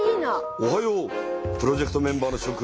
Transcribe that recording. おはようプロジェクトメンバーのしょ君。